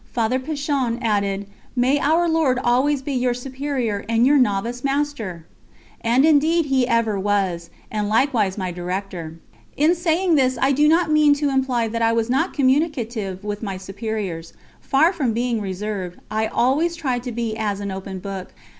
Father Pichon added: "May Our Lord always be your Superior and your Novice Master!" And indeed He ever was, and likewise my Director. In saying this I do not mean to imply that I was not communicative with my superiors; far from being reserved, I always tried to be as an open book.